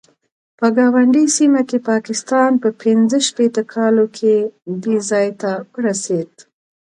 په ګاونډۍ سیمه کې پاکستان په پنځه شپېته کالو کې دې ځای ته ورسېد.